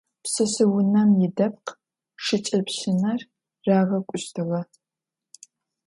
Пшъэшъэунэм идэпкъ шыкӏэпщынэр рагъэкӏущтыгъэ.